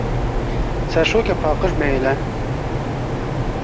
Serşokê paqij bihêle!